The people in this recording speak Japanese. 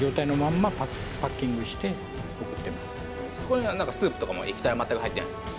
そこにはスープとかも液体は全く入ってないですか？